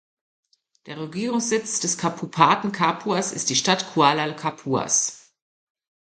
Der Regierungssitz des Kabupaten Kapuas ist die Stadt Kuala Kapuas.